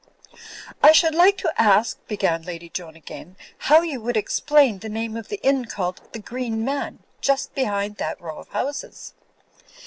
'' "I should like to ask," began Lady Joan, again, 'liow you would explain the name of the inn called The Green Man,' just behind that row of houses."